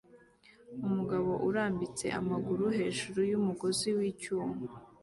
Umugabo urambitse amaguru hejuru yumugozi wicyuma